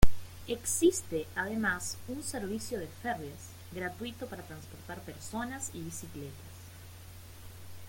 Existe además un servicio de "ferries" gratuito para transportar personas y bicicletas.